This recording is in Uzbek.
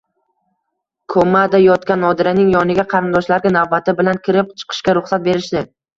Komada yotgan Nodiraning yoniga qarindoshlarga navbati bilan kirib chiqishga ruxsat berishdi